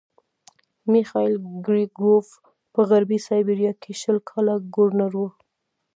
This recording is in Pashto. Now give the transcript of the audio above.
میخایل ګریګورویوف په غربي سایبیریا کې شل کاله ګورنر وو.